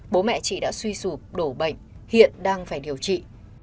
bố mẹ chị đã suy sụp đổ bệnh hiện đang phải điều trị